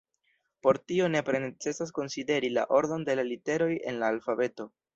Por tio nepre necesas konsideri la ordon de la literoj en la alfabeto.